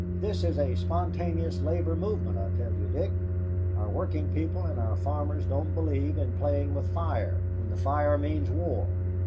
This is a spontaneous labor movement, I tell you, Dick. Our working people and our farmers don't believe in playing with fire when the fire means war.